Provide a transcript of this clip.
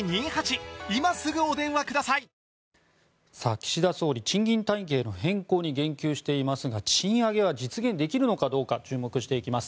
岸田総理賃金体系の変更に言及していますが賃上げは実現できるのかどうか注目していきます。